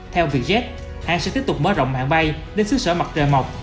theo vietjet hãng sẽ tiếp tục mở rộng mạng bay đến xứ sở mặt trời mọc